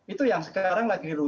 itu yang sekarang lagi di rujukan